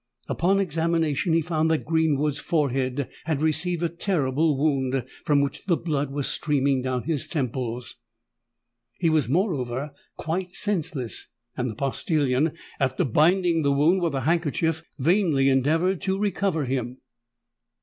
Upon examination he found that Greenwood's forehead had received a terrible wound, from which the blood was streaming down his temples. He was moreover quite senseless; and the postillion, after binding the wound with a handkerchief, vainly endeavoured to recover him.